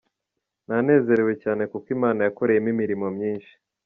Nanezerewe cyane kuko Imana yakoreyemo imirimo myinshi.